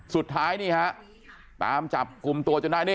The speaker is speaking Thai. สุดท้ายตามจับกลุ่มตัวจนได้